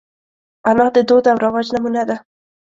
انا د دود او رواج نمونه ده